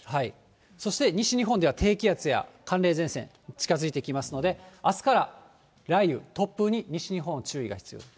そして、西日本では低気圧や寒冷前線近づいてきますので、あすから雷雨、突風に西日本、注意が必要です。